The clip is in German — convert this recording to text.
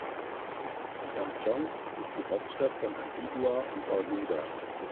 St. John’s ist die Hauptstadt von Antigua und Barbuda.